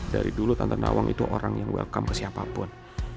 dari dulu tantan awang itu orang yang welcome ke siapapun